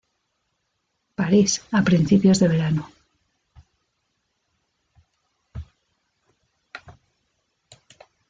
París a principios de verano.